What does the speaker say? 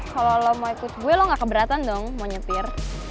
kalau lo mau ikut gue lo gak keberatan dong mau nyetir